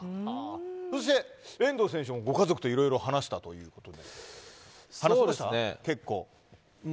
そして遠藤選手もご家族といろいろ話したということで。